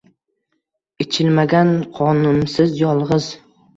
Ichilmagan qonimsiz, yolgʻiz.